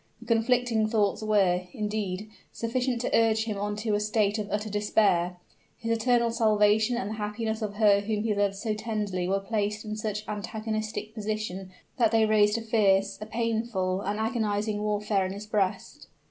The conflicting thoughts were, indeed, sufficient to urge him on to a state of utter despair: his eternal salvation and the happiness of her whom he loved so tenderly were placed in such antagonistic position that they raised a fierce a painful an agonizing warfare in his breast.